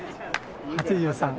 ８３。